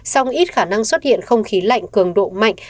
song ít khả năng xuất hiện không khí lạnh cường độ mạnh